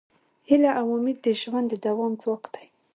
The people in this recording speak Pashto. هیله او امید د ژوند د دوام ځواک دی.